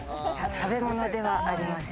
食べ物ではありません。